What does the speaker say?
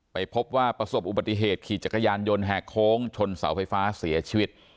ไปพบว่าประสบอุบัติเหตุขี่จักรยานยนต์แหกโค้งชนเสาไฟฟ้าเสียชีวิต